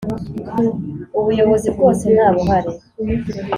Ubuyobozi bwose ntabuhari.